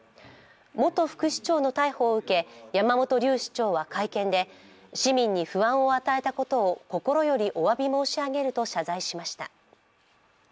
元副市長の逮捕を受け、山本龍市長は会見で市民に不安を与えたことを心よりおわび申し上げると謝罪しました。